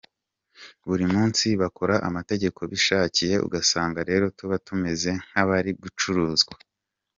Buri munsi bakora amategeko bishakiye ugasanga rero tuba tumeze nk’abari gucuruzwa.